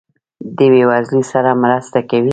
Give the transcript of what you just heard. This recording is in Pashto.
د بې وزلو سره مرسته کوئ؟